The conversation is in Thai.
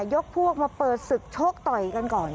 ยกพวกมาเปิดศึกโชคต่อยกันก่อน